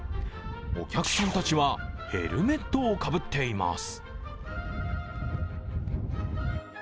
お客さんたちはヘルメットをかぶっています。